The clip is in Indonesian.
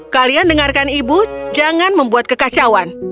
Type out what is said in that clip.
kalian dengarkan ibu jangan membuat kekacauan